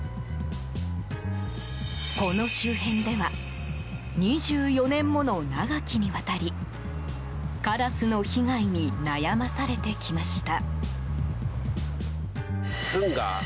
この周辺では２４年もの長きにわたりカラスの被害に悩まされてきました。